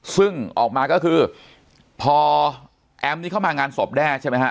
ซึ่งออกมาก็คือพอแอมนี่เข้ามางานศพแด้ใช่ไหมฮะ